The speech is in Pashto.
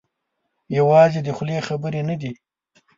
یوازې د خولې خبرې نه دي.